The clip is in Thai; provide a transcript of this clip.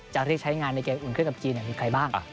จะเรียกใช้งานในเกมอุ่นเครื่องกับจีนมีใครบ้าง